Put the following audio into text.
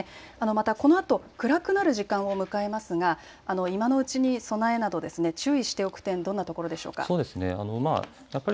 またこのあと暗くなる時間を迎えますが今のうちに備えなど注意しておく点、どんなところでしょうか。